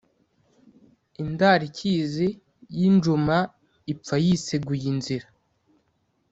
indarikizi y'injuma ipfa yiseguye inzira